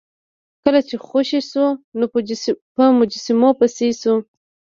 کله چې خوشې شو نو په مجسمو پسې شو.